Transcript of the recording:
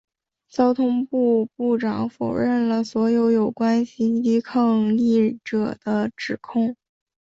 交通部部长否认了所有有关袭击抗议者的指控。